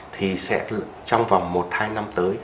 thì sẽ trong vòng một hai năm tới